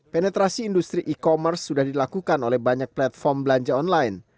penetrasi industri e commerce sudah dilakukan oleh banyak platform belanja online